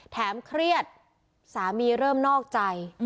เครียดสามีเริ่มนอกใจ